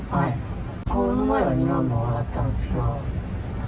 この前は２万もらったんですけど。